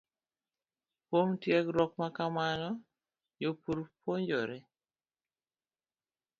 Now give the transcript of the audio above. Kuom tiegruok ma kamano, jopur puonjore